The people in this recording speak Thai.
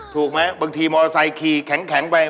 ถูกไหมบางทีมอเตอร์ไซค์ขี่แข็งไป